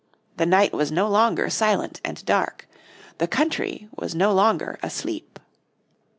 The night was no longer silent and dark. The country was no longer asleep.